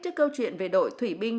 trước câu chuyện về đội thủy binh